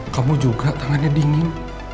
kamu juga tangannya dingin